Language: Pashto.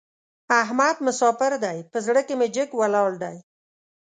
احمد مساپر دی؛ په زړه کې مې جګ ولاړ دی.